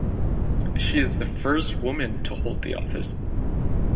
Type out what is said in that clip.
She is the first woman to hold the office.